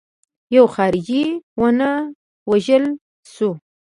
یو خارجي ونه وژل شو.